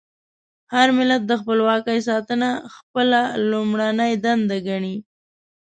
هر ملت د خپلواکۍ ساتنه خپله لومړنۍ دنده ګڼي.